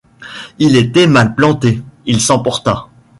Il était mal planté, il s’emporta.